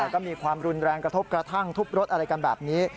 ก็มีความรุนแรงกระทบกระทั่งทุบรถอะไรกันแบบนี้